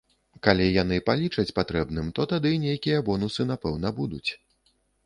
Калі яны палічаць патрэбным, то тады нейкія бонусы, напэўна, будуць.